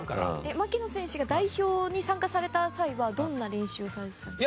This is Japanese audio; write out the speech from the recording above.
槙野選手が代表に参加された際はどんな練習をされてたんですか？